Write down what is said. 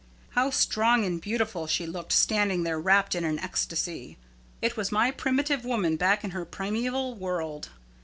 How strong and beautiful she looked standing there wrapped in an ecstasy! It was my primitive woman back in her primeval world.